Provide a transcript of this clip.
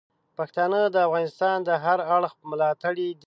پښتانه د افغانستان د هر اړخ ملاتړي دي.